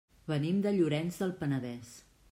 Venim de Llorenç del Penedès.